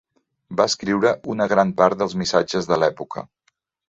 Va escriure una gran part dels missatges de l'època.